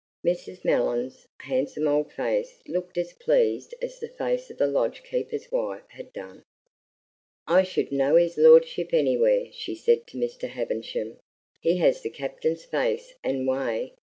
Mrs. Mellon's handsome old face looked as pleased as the face of the lodge keeper's wife had done. "I should know his lordship anywhere," she said to Mr. Havisham. "He has the Captain's face and way.